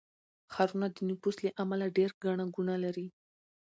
ښارونه د نفوس له امله ډېر ګڼه ګوڼه لري.